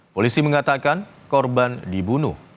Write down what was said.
polisi mengatakan korban dibunuh